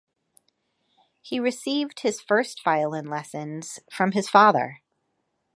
He received his first violin lessons from his father.